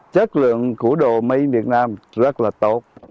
chất lượng của đồ mấy việt nam rất là tốt